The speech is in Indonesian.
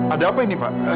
ada apa ini pak